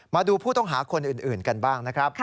มาดูผู้ต้องหาคนอื่นกันบ้างนะครับ